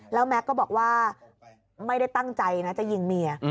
แล้วแม็กซ์ก็บอกว่าไม่ได้ตั้งใจนะจะยิงเมีย